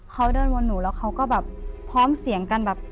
เขาเดินวนหนูแล้วเขาก็แบบพร้อมเสียงกันแบบ